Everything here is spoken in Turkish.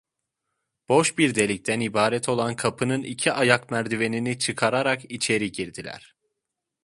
Boş bir delikten ibaret olan kapının iki ayak merdivenini çıkarak içeri girdiler.